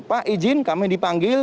pak izin kami dipanggil